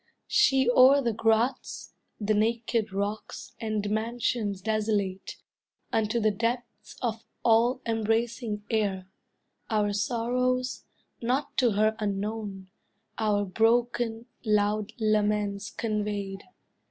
She o'er the grots, The naked rocks, and mansions desolate, Unto the depths of all embracing air, Our sorrows, not to her unknown, Our broken, loud laments conveyed.